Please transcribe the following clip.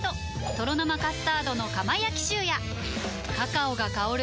「とろ生カスタードの窯焼きシュー」やカカオが香る！